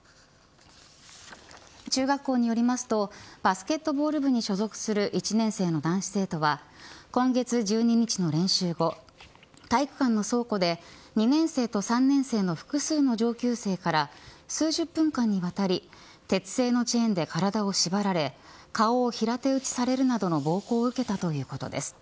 中学校によりますとバスケットボール部に所属する１年生の男子生徒は今月１２日の練習後体育館の倉庫で２年生と３年生の複数の上級生から数十分間にわたり鉄製のチェーンで体を縛られ顔を平手打ちされるなどの暴行を受けたということです。